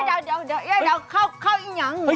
เย้เดี๋ยวเข้าอย่างเหรอ